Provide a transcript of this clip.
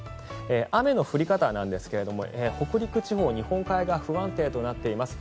雨の降り方なんですが北陸地方、日本海側は不安定となっています。